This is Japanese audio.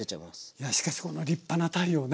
いやしかしこの立派な鯛をね。